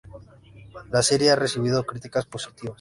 La serie ha recibido críticas positivas.